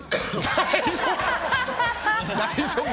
大丈夫？